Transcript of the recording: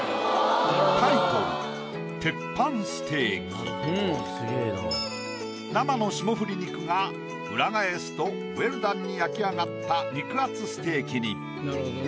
タイトル生の霜降り肉が裏返すとウェルダンに焼き上がった肉厚ステーキに。